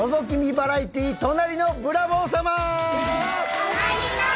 バラエティ隣のブラボー様』！